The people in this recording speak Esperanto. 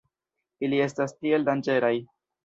Ili estas tiel danĝeraj.